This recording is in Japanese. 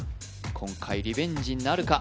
今回リベンジなるか？